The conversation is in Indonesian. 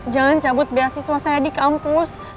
jangan cabut beasiswa saya di kampus